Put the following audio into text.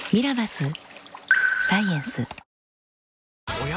おや？